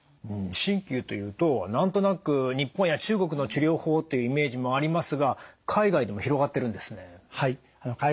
鍼灸というと何となく日本や中国の治療法っていうイメージもありますが海外でも広がってるんですね。